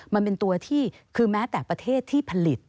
มันเป็นตัวที่คือแม้แต่ประเทศที่ผลิต